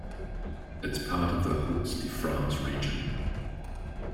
It is part of the Hauts-de-France region.